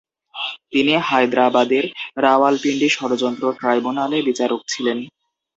তিনি হায়দ্রাবাদের রাওয়ালপিন্ডি ষড়যন্ত্র ট্রাইব্যুনালে বিচারক ছিলেন।